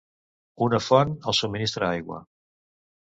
Una font els subministra aigua.